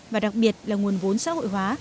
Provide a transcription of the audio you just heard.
và đặc biệt là nguồn vốn xã hội hóa